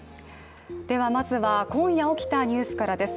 まずは今夜起きたニュースからです。